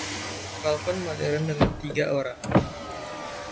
Balkon modern dengan tiga orang.